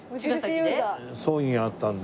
葬儀があったんで。